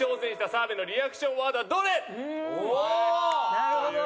なるほど！